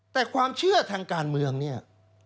แต่ความเชื่อทางการเมืองเนี่ย